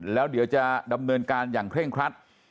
แล้วเดี๋ยวจะดำเนินการอย่างเคร่งครัด